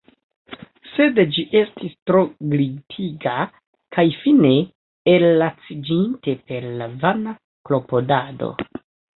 Sed ĝi estis tro glitiga; kaj fine, ellaciĝinte per la vana klopodado.